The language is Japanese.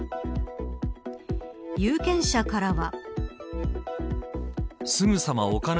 有権者からは。